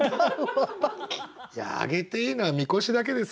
いやあげていいのはみこしだけです。